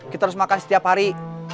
kita harus makan setiap hari